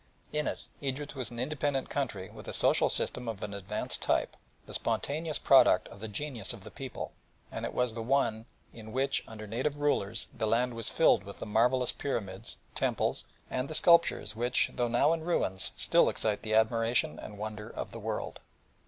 In it Egypt was an independent country with a social system of an advanced type, the spontaneous product of the genius of the people, and it was the one in which, under native rulers, the land was filled with the marvellous pyramids, temples, and sculptures that, though now in ruins, still excite the admiration and wonder of the world.